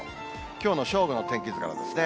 きょうの正午の天気図からですね。